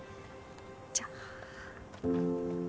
じゃあ。